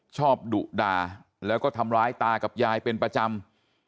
ดุด่าแล้วก็ทำร้ายตากับยายเป็นประจำ